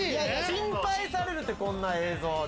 心配されるって、こんな映像。